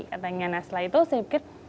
katanya nah setelah itu saya pikir